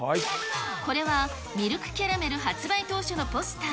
これはミルクキャラメル発売当初のポスター。